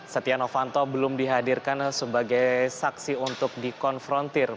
setia novanto belum dihadirkan sebagai saksi untuk dikonfrontir